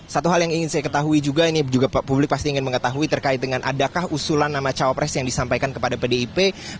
satu hal yang ingin saya ketahui juga ini juga publik pasti ingin mengetahui terkait dengan adakah usulan nama cawapres yang disampaikan kepada pdip